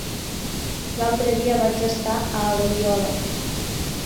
L'altre dia vaig estar a Oriola.